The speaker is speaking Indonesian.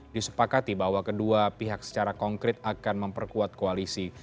disepakati bahwa kedua pihak secara konkret akan memperkuat koalisi